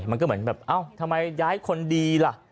มันก็เหมือนแบบเอ้าทำไมย้ายคนดีล่ะ